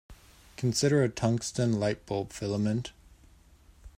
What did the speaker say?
Consider a tungsten light-bulb filament.